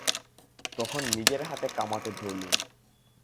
তখন নিজের হাতে কামাতে ধরলুম।